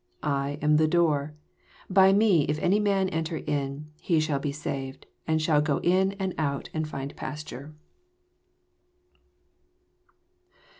9 I am the door: by me if any man enter in, he shall be saved, and shall go in and out, and find pasture.